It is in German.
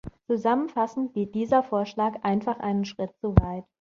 Zusammenfassend geht dieser Vorschlag einfach einen Schritt zu weit.